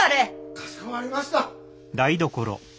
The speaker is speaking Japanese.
・かしこまりました。